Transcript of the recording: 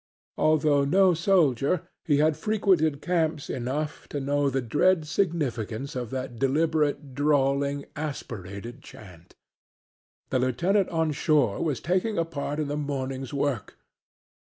Although no soldier, he had frequented camps enough to know the dread significance of that deliberate, drawling, aspirated chant; the lieutenant on shore was taking a part in the morning's work.